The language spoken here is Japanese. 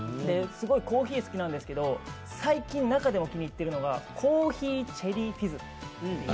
すごいコーヒー好きなんですけど最近、中でも気に言ってるのがコーヒーチェリーフィズ。